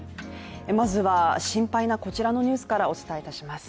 まずは心配なこちらのニュースからお伝えします。